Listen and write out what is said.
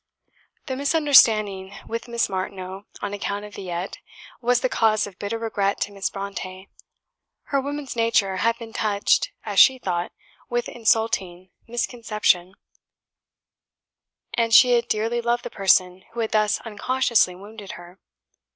The misunderstanding with Miss Martineau on account of "Villette," was the cause of bitter regret to Miss Brontë. Her woman's nature had been touched, as she thought, with insulting misconception; and she had dearly loved the person who had thus unconsciously wounded her.